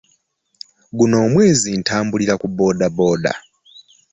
Guno omwezi ntambulira ku bodaboda